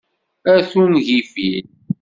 A tungifin!